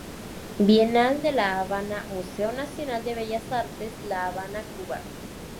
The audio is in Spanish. Bienal de La Habana, Museo Nacional de Bellas Artes, La Habana, Cuba.